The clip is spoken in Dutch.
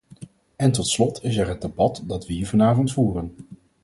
En tot slot is er het debat dat we hier vanavond voeren.